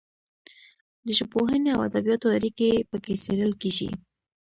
د ژبپوهنې او ادبیاتو اړیکې پکې څیړل کیږي.